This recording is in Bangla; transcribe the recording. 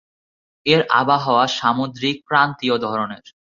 এর আবহাওয়া সামুদ্রিক ক্রান্তীয় ধরনের।